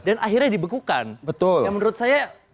dan akhirnya dibekukan betul menurut saya